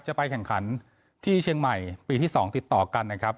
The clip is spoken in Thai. จะไปแข่งขันที่เชียงใหม่ปีที่๒ติดต่อกันนะครับ